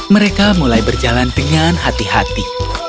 mereka mulai berjalan dengan hati hati